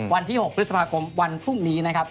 วันที่๖พฤษภาคมวันพรุ่งนี้นะครับ